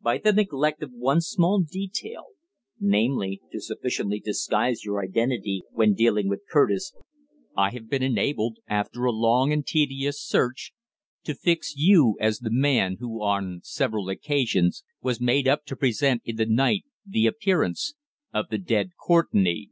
By the neglect of one small detail, namely to sufficiently disguise your identity when dealing with Curtis, I have been enabled, after a long and tedious search, to fix you as the man who on several occasions was made up to present in the night the appearance of the dead Courtenay.